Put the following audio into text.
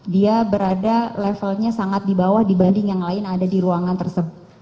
dia berada levelnya sangat di bawah dibanding yang lain ada di ruangan tersebut